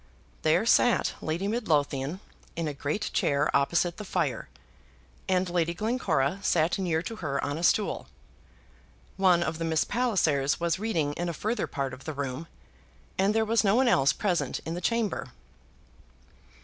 There sat Lady Midlothian in a great chair opposite the fire, and Lady Glencora sat near to her on a stool. One of the Miss Pallisers was reading in a further part of the room, and there was no one else present in the chamber.